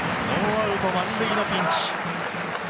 ノーアウト満塁のピンチ。